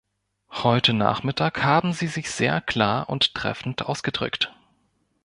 Heute Nachmittag haben Sie sich sehr klar und treffend ausgedrückt.